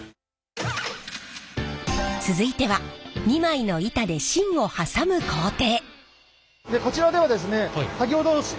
続いては２枚の板で芯をはさむ工程。